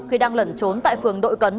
khi đang lẩn trốn tại phường đội cấn